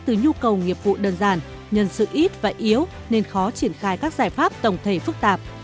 từ nhu cầu nghiệp vụ đơn giản nhân sự ít và yếu nên khó triển khai các giải pháp tổng thể phức tạp